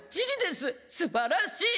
すばらしい！